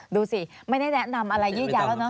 ดูสิไม่ได้แนะนำอะไรยืดยาวแล้วเนอ